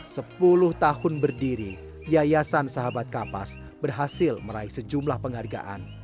sepuluh tahun berdiri yayasan sahabat kapas berhasil meraih sejumlah penghargaan